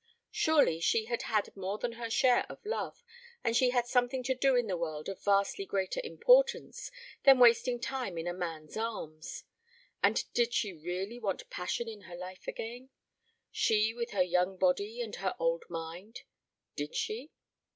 Surely she had had more than her share of love, and she had something to do in the world of vastly greater importance than wasting time in a man's arms. And did she really want passion in her life again? She with her young body and her old mind! Did she?